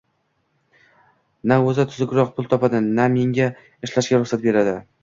Na o`zi tuzukroq pul topadi, na menga ishlashga ruxsat beradi